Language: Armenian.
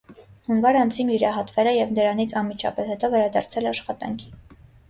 Հունվար ամսին վիրահատվել է և դրանից անմիջապես հետո վերադարձել աշխատանքի։